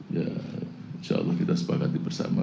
ya insyaallah kita sepakat dipersama